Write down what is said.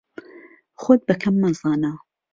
خۆت بە کەم مەزانە.